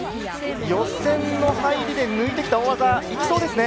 予選の入りで抜いてきた大技いきそうですね。